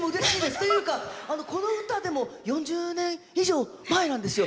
っていうか、この歌４０年以上前なんですよ。